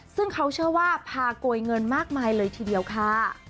ซึ่งเขาเชื่อว่าพาโกยเงินมากมายเลยทีเดียวค่ะ